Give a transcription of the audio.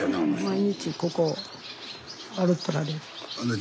毎日ここを歩っておられる。